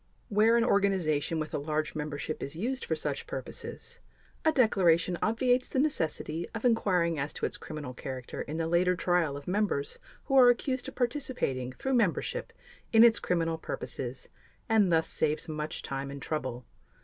Where an organization with a large membership is used for such purposes, a declaration obviates the necessity of inquiring as to its criminal character in the later trial of members who are accused of participating through membership in its criminal purposes and thus saves much time and trouble.